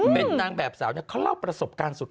เป็นนางแบบสาวเขาเล่าประสบการณ์สุด